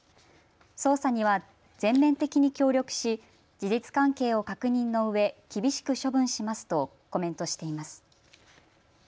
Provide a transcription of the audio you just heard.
捜査には全面的に協力し事実関係を確認のうえ厳しく処分しますとコメントしています。